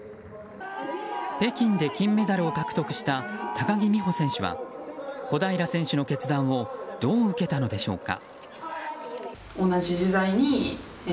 北京で金メダルを獲得した高木美帆選手は小平選手の決断をどう受けたのでしょうか。